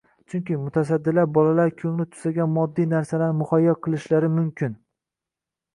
Chunki, mutasaddilar bolalar ko‘ngli tusagan moddiy narsalarni muhayyo qilishlari mumkin